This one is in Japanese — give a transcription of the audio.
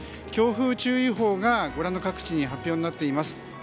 強風注意報がご覧の各地に発表になっています。